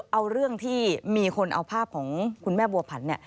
เอาเรื่องที่มีคนเอาภาพของคุณแม่บัวผัน